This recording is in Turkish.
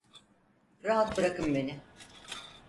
Rahat bırakın beni!